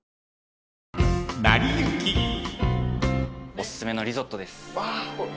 おすすめのリゾットです。